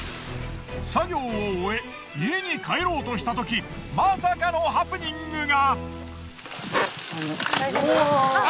作業を終え家に帰ろうとしたときまさかのハプニングが！